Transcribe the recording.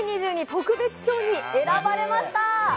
特別賞に選ばれました！